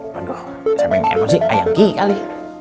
pada saat ini saya memiliki emosi ayam gigi kali